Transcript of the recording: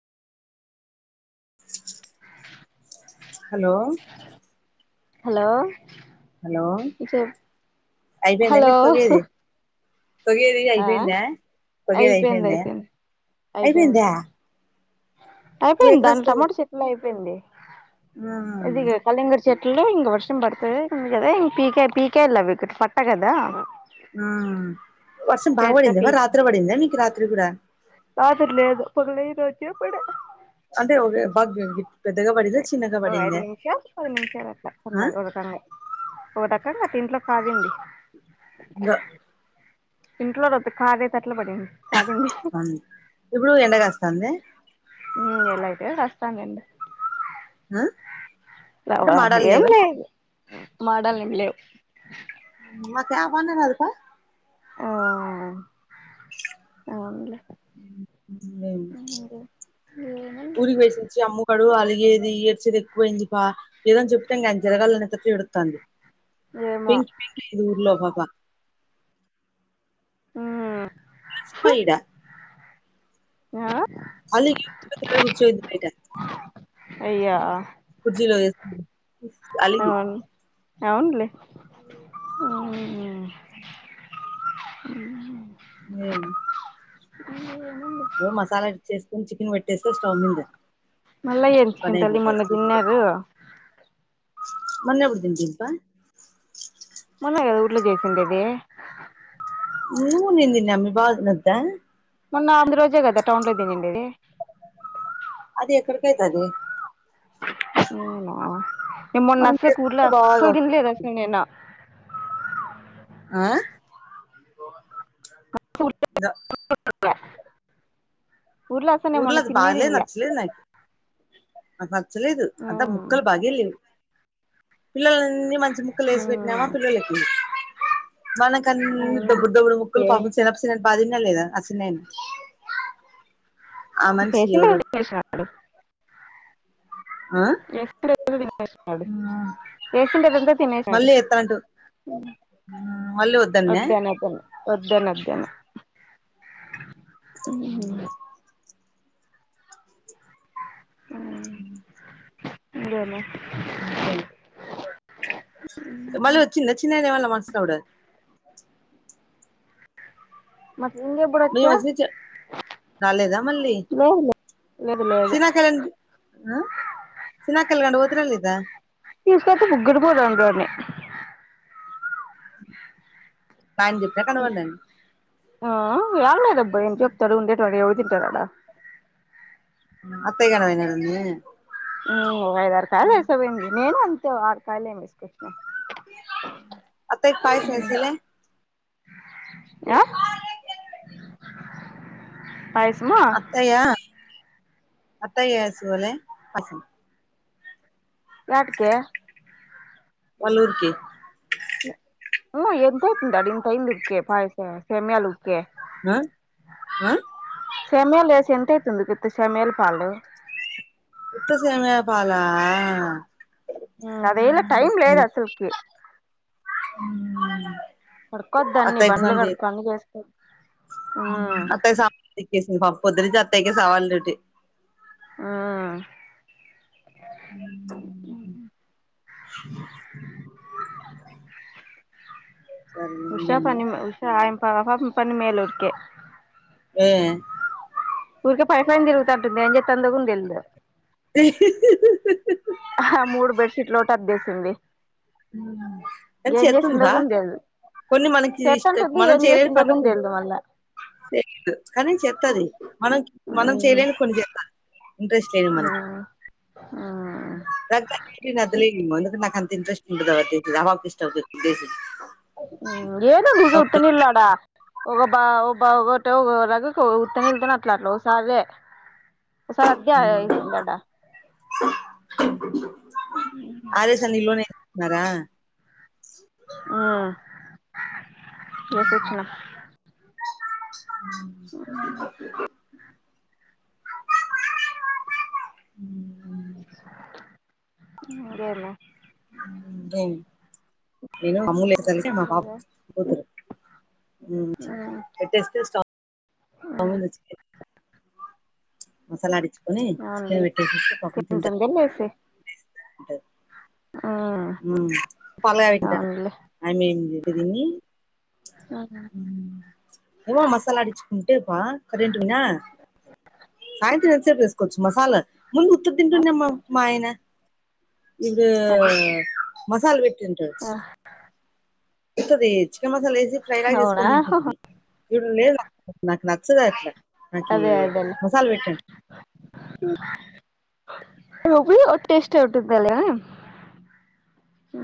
hello hello hello చె hello తోగేడి ఆ అయిపోయిందా తొగేడి అయిపోయింది అయిపోయిందా అయిపోయింది అయిపోయింది అయిపోయిందా టూ అయిపోయింది దానిలో టమాటో చెట్ని అయిపోయింది ఆమ్ ఇది కళింగర చెట్లు ఇంక వర్షం పడుతది ఇం కదా ఇ పీకే పీకేయాలి అవి పట్టా కదా ఆ వర్షం బాగు చేత్తో పడిందా మరి పీకి రాత్రి పడిందా మీకు రాత్రి కూడా రాత్రి లేదు పగలే ఇరోచ్చే పడే అంటే ఒకే బాగా పెద్దగా పడిందా చిన్నగా ఐదు పడిందా నిమిషం పది నిమిషాలు అట్లా ఆ ఉన్న ఓ రకం గటి ఇంట్లో పరేయండి దో ఇంట్లోది వద్దు కారే తటల్ పడింది కాగింది ఇప్పుడు ఎండ కాస్తాందా ఉమ్ ఎలా అయితే వస్తాం లేండి ఉమ్ రావా భ ఎం లే మాటల్ ఎం లేవు మా క్యాప్ అన్న నలుపా ఆ అవునులే ఉమ్ ఊరికి బొయ్యేసొచ్చాము ఇక్కడు అలిగేది ఏడ్చేది ఎక్కువయింది ప ఏదోని చెప్పింది అది జరగాలనేటట్టు ఏడుత్తాంది ఏమో పింక్ ఇదు ఊర్లో పాపా ఆ సుకో ఇడ ఆ అలి [inaudible] వుచ్చేది పీట అయ్యా కుర్జీ లో ఏసెన్ అలిగి అవున్లే మ్మ్ మ్మ్ ఉ మసాలా ఇది చేేసుకుని చికిన్ పెట్ట్ స్టవ్ మింద మళ్ళా ఏం ఒ చికెన్ తల్లి మొన్న పనైపోతాది తిన్నారు మొన్నే ఉదిన్ దింపా చేసిండదే నూనుందిని న మీ బాస్నంతా మొన్న ఆంద రోజే గదా టౌన్ లో దినిండేది అది ఎక్కడికైతాది ఇ మొన్న మనం అస కూర్లే చేసుకుంటే బాగా అసల్ తిన్లే దశ్విని నేనా ఆ ఊర్లో అసలు నేను ఊర్లో మొన్న అది తిన్నే బాలే తినలే నచ్చలే నాకి నాక్ నచ్చలేదు అంటే ఆ మ్మ్ ముక్కలు బాగే లేవు పిల్లోలన్నీ మంచి ముక్కలేసి పెట్టినావా మ్మ్ పిల్లలకి మన కన్ని దో మ్మ్ బుడ్డ బుడు ముక్కలు ఏ కాబుచ్చి [inaudible] పాదిన్న లేదా అసిన్నెన్ పేసి జేషినాడు ఆ ఏసిండేదంతా తినే నాడు మళ్ళీ ఎత్తానంటూ మళ్ళీ వద్దన్నే పొద్ద నైపొయింది వద్దనధ్యన మ్మ్ ఇంగేమి ఇంకే మళ్ళీ వచ్చింది వచ్చిందే దేవళ మస్నువ్డే మరింగ మేము గుడొచ్చే వచ్చి రాలేదా మళ్ళీ లేదులే లెదు లేదు చినాకలి ఆ చిన్న కల్గండ్ పోతున్న లేదా తీస్కోతే ముగ్గురు బోదాందాని ఆయన చెప్పినా కనపడ్డాను ఆ యాడ్లేదబ్బా ఎం చెప్తడు ఉండేటి టవే ఉంటాడా అత్తయ్ గాయ్ ఆయనానె ఊ ఐదారు కాయలు ఏసబొయింది నేను అంతే ఆరు కాయలేమో ఏస్కుచ్చ్ అత్తయ్క్ కాయసమెసూలే ఆ పాయసమా అత్తయా అత్తయ ఎసూలే వాటికే వళ్ళూరుకి [inaudible] ఆ ఆ సెమ్యలు చేసి ఎం తైతుంది సేమ్యలు పాలు ఉత్త సేమయ పాలా హ్మ్ అదేలా టైం లేదు అసలుకి హ్మ్ కడుకోవద్ అన్ని బండ్లు కడుక్కన్ని అన్ని చేసుకో ఆ అత్తాయి [unintelligible] పొద్దట్నుంచి అత్తయక సవాలడిట్టి హ్మ్ హ్మ్ ఉషా పని ఉషయ పని మేల ఉరికే ఆ తందకున్ తెలిద [unintelligible] సింది హ్మ్ ఏమన్ చేత్తుందా కూడా తెల్దు కొన్ని మనకి ఇష్ట చేత్తంటుంది మనం ఏం చేయలేని చేసిందో పనులు కూడా కోన్ని తెల్దు మళ్ళా తెదు కానీ చెత్తది మనం మనం మ్మ్ చేయలేని కొన్ని చేస్తంది ఇంట్రెస్ట్ లేని మనకి మ్మ్ [unintelligible] మంద నాక అంత ఇంట్రెట్ ఉంటదవవా దస అవక ఇష్ట దేసీ ఏదో గు చుత్తె నిల్లడ ఒక బా బ ఒకట ఒ ఉత్తనిళ్తును అట్లా అట్లా ఒకసారి ఓ సారి అట్నె ఆయతుందట అదే స నిలోనేస్తున్నారా హ్మ్ ఏసోచ్చిన హ్మ్ హ్మ్మ్ ఇంగేమే ఏ య్ నేను అమ్మూలే తలికి మా పాప లేదా పోతరు హ్మ్ మ్మ్ ఎట్లిస్ట్ ఉమ్ [inaudible] మసాలా అడి అవునులే [inaudible] ఆ హ్న్ పాలు కగా పెట్టిన తర్వతా ఐ మిన్ మేము [inaudible] హ్మ్ ఎమె మసాలా అడిచు ఉంటేపా కరెంట్ వినా ఆయన తినసేపు వేసుకోవచ్చు మసాలా ముందు ఉత్త తింటుండమ్మా మా ఆయన ఇగా అదే మసాలా పేట్టిండోచ్చు వస్తుంది చికెన్ మసాలా వేసి ఫ్రై లాగా అవునా చెసుకొని తింటుంటంది ఇప్పుడు లేదు నాక్ నాక్ ఉత్తద అట్ల నాకి అదే అదేలే మసాలా పెట్ట [inaudible]